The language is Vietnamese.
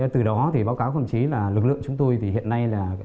từ đó báo cáo các đồng chí là lực lượng chúng tôi hiện nay là